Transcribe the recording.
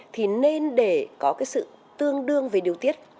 thì nên để có cái sự tương đương về điều tiết